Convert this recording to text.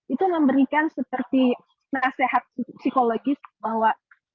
itu memberikan seperti nasihat psikologis bahwa